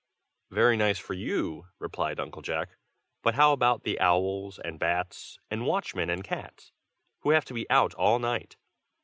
"Very nice for you," replied Uncle Jack. "But how about the owls and bats, and watchmen and cats, who have to be out all night?